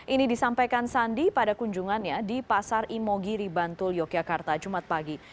ini disampaikan sandi pada kunjungannya di pasar imogiri bantul yogyakarta jumat pagi